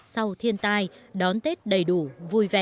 sau thiên tai đón tết đầy đủ vui vẻ